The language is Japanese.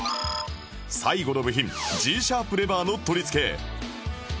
最後の部品 Ｇ♯ レバーの取り付けへ